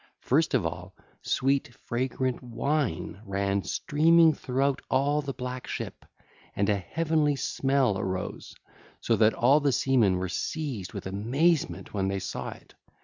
First of all sweet, fragrant wine ran streaming throughout all the black ship and a heavenly smell arose, so that all the seamen were seized with amazement when they saw it.